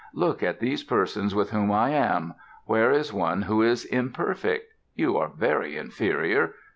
"Look at these persons with whom I am. Where is one who is imperfect? You are very inferior.